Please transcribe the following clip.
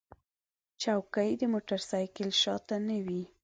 چوکۍ د موټر سایکل شا ته نه وي.